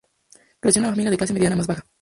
Creció en una familia de clase media más baja.